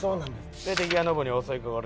で敵がノブに襲いかかる。